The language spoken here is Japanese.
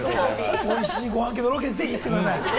おいしいご飯系のロケにぜひ行ってください。